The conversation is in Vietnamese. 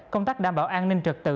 công tác đảm bảo an ninh trật tự